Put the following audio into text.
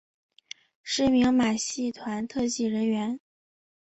是一名马戏团特技人员。